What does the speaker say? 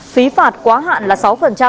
phí phạt quá hạn là sáu